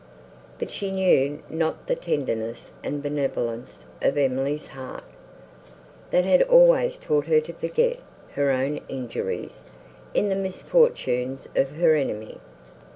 But she knew not the tenderness and benevolence of Emily's heart, that had always taught her to forget her own injuries in the misfortunes of her enemy.